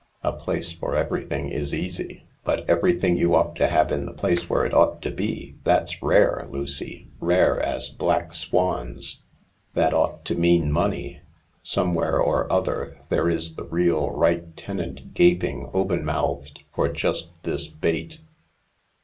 " A place for everything is easy, but everything you ought to have in the place where it ought to be — that's rare, Lucy, rare as black swans. That ought to mean money. Some where or other there is the real right tenant gaping open mouthed for just this bait."